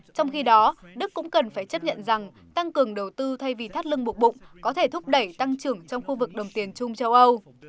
trong khi đó đức cũng cần phải chấp nhận rằng tăng cường đầu tư thay vì thắt lưng buộc bụng có thể thúc đẩy tăng trưởng trong khu vực đồng tiền chung châu âu